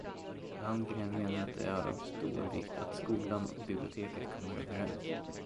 Landgren menar att det är av stor vikt att skolan och biblioteket kommer överens.